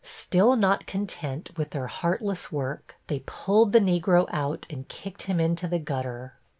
Still not content with their heartless work, they pulled the Negro out and kicked him into the gutter.